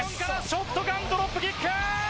ショットガンドロップキック！